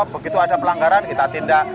begitu ada pelanggaran kita tindak